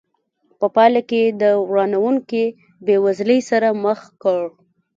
په پایله کې له ورانوونکې بېوزلۍ سره مخ کړ.